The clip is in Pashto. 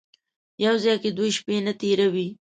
یو ځای کې دوې شپې نه تېروي.